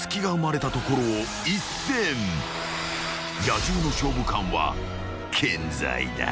［野獣の勝負感は健在だ］